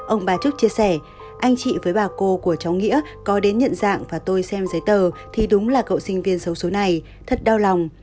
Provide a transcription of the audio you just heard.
ông bà trức chia sẻ anh chị với bà cô của cháu nghĩa có đến nhận dạng và tôi xem giấy tờ thì đúng là cậu sinh viên xấu xố này thật đau lòng